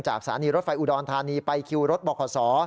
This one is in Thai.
จากสานีรถไฟอุดรณฑานีไปคิวรถบรคสร